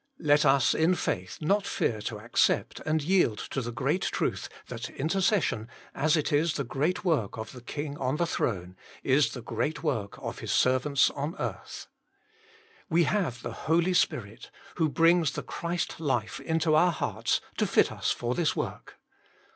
Let us in faith not fear to accept and yield to the great truth that intercession, as it is the great work of the King on the throne, is the great work of 168 THE MINISTRY OF INTERCESSION His servants on earth. We have the Holy Spirit, who brings the Christ life into our hearts, to fit us for this work.